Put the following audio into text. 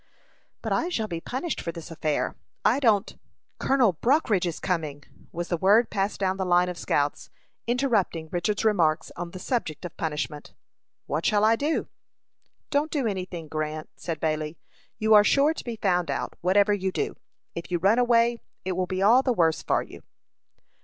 "But I shall be punished for this affair. I don't " "Colonel Brockridge is coming!" was the word passed down the line of scouts, interrupting Richard's remarks on the subject of punishment. "What shall I do?" "Don't do any thing, Grant," said Bailey. "You are sure to be found out, whatever you do. If you run away, it will be all the worse for you."